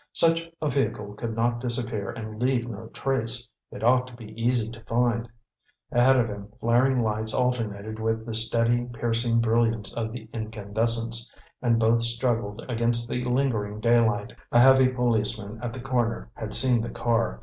Such a vehicle could not disappear and leave no trace; it ought to be easy to find. Ahead of him flaring lights alternated with the steady, piercing brilliance of the incandescents, and both struggled against the lingering daylight. A heavy policeman at the corner had seen the car.